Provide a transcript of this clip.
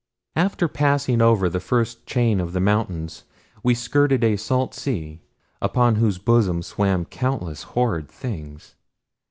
After passing over the first chain of mountains we skirted a salt sea, upon whose bosom swam countless horrid things.